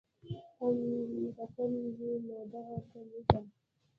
کۀ کم وي نو دغه کمے دې